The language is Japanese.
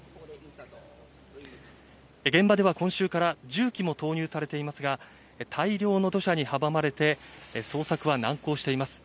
現場では今週から重機も投入されていますが、大量の土砂に阻まれて、捜索は難航しています。